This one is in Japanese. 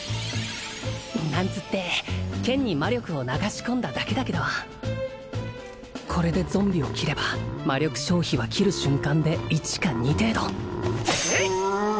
なんつって剣に魔力を流し込んだだけだけどこれでゾンビを斬れば魔力消費は斬る瞬間で１か２程度ていっ！